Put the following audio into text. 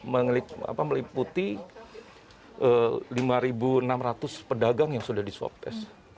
meliputi lima enam ratus pedagang yang sudah di swab test